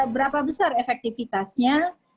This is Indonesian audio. berapa besar efektifitasnya